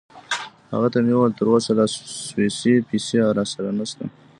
هغه ته مې وویل: تراوسه لا سویسی پیسې راسره نشته.